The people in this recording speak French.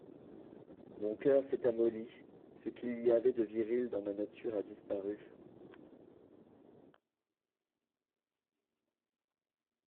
Mon coeur s'est amolli ; ce qu'il y avait de viril dans ma nature a disparu.